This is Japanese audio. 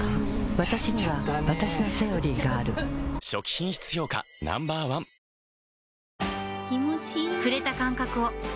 わたしにはわたしの「セオリー」がある初期品質評価Ｎｏ．１「システマ」